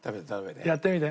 やってみて。